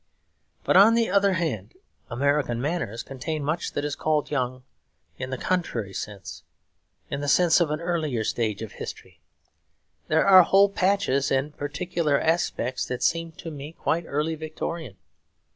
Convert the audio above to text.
But on the other hand, American manners contain much that is called young in the contrary sense; in the sense of an earlier stage of history. There are whole patches and particular aspects that seem to me quite Early Victorian.